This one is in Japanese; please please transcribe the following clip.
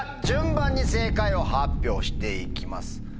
順番に正解を発表して行きます。